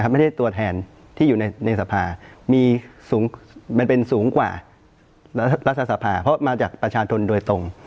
ไม่ได้ตัวแทนที่อยู่ในสภามีสูงมันเป็นสูงกว่ารัฐสภาเพราะมาจากประชาชนโดยตรง